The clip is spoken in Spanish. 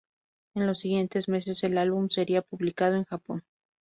En los siguientes meses el álbum sería publicado en Japón.